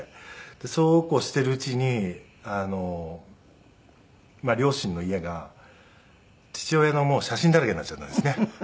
でそうこうしているうちに両親の家が父親の写真だらけになっちゃったんですね。